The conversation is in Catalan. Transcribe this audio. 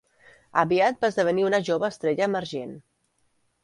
Aviat va esdevenir una jove estrella emergent.